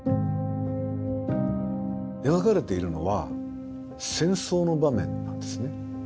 描かれているのは戦争の場面なんですね。